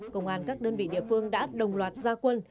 công an các đơn vị địa phương đã đồng loạt gia quân